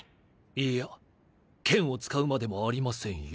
いや剣を使うまでもありませんよ。